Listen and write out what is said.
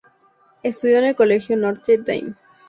Estudió en el Colegio Notre Dame.